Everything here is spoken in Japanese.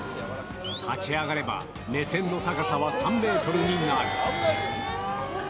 立ち上がれば、目線の高さは３メートルにもなる。